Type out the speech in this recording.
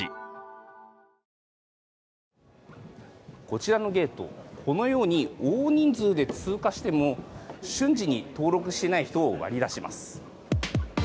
こちらのゲート、このように大人数で通過しても瞬時に登録してない人を割り出します。